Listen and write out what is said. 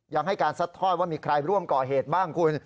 ยังให้การซัดทอดว่ามีใครร่วมก่อเหตุบ้างคุณ